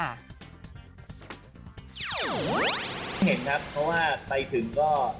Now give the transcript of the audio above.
เห็นครับเพราะว่าไปถึงก็